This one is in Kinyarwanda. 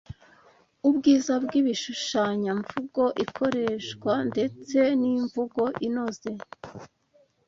ubwiza bw’ishushanyamvuko ikoresha ndetse n’imvugo inoze,